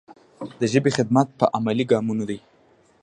د ژبې خدمت په عملي ګامونو دی.